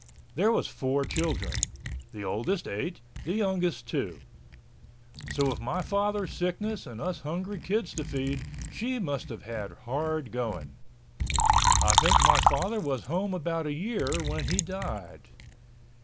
There was four children—the oldest eight, the youngest two. So with my father's sickness and us hungry kids to feed, she must have had hard going. I think my father was home about a year when he died.